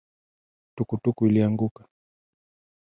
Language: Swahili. Tukutuku ilianguka